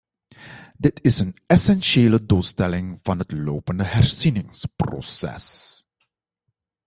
Dit is een essentiële doelstelling van het lopende herzieningsproces.